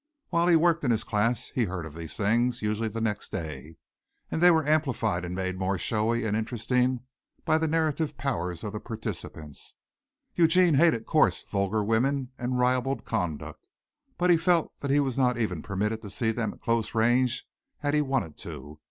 While he worked in his class he heard of these things usually the next day and they were amplified and made more showy and interesting by the narrative powers of the participants. Eugene hated coarse, vulgar women and ribald conduct, but he felt that he was not even permitted to see them at close range had he wanted to.